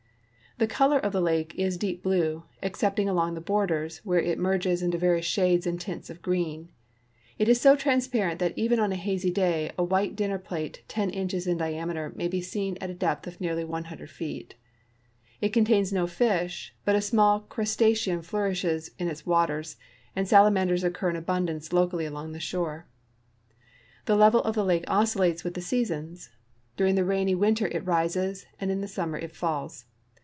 The color of the lake is deep blue excepting along the borders, where it merges into various shades and tints of green. It is so transparent that even on a hazy day a white dinner plate 10 inches in diameter may be seen at a depth of nearly 100 feet. It contains no fish, but a small crustacean flourishes in its waters, and salamanders occur in abundance locally along the shore. The level of the lake oscillates with the seasons. During the rain}'' winter it rises, and in the summer it falls.